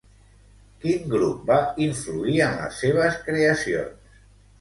Quin grup va influir en les seves creacions?